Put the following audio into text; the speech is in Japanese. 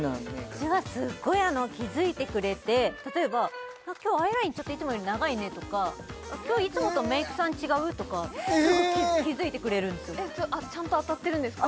うちはすっごい気付いてくれて例えば何か今日アイラインちょっといつもより長いねとか今日いつもとメイクさん違う？とかすぐ気付いてくれるんですよちゃんと当たってるんですか？